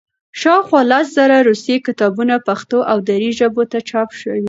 شاوخوا لس زره روسي کتابونه پښتو او دري ژبو ته چاپ شوي.